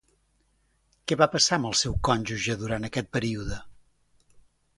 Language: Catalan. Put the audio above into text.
Què va passar amb el seu cònjuge durant aquest període?